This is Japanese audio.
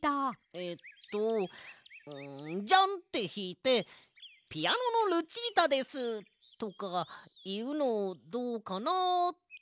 えっとんジャンってひいて「ピアノのルチータです！」とかいうのどうかなって。